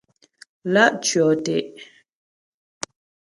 Lá' tyɔ́ te'.